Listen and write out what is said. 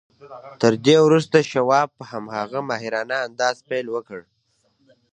تر دې وروسته شواب په هماغه ماهرانه انداز پیل وکړ